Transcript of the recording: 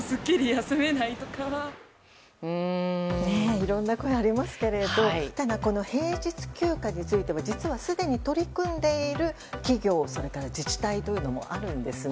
いろんな声がありますけどただ、この平日休暇については実はすでに取り組んでいる企業、自治体もあるんですね。